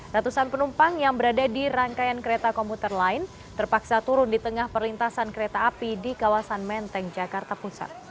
ratusan penumpang yang berada di rangkaian kereta komuter lain terpaksa turun di tengah perlintasan kereta api di kawasan menteng jakarta pusat